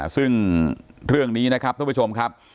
ซึ่งเรื่องนี้นะครับท่านผู้ชมครับ